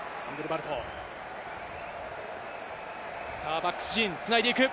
バックス陣がつないでいく。